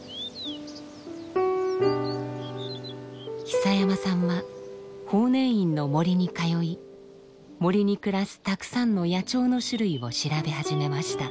久山さんは法然院の森に通い森に暮らすたくさんの野鳥の種類を調べ始めました。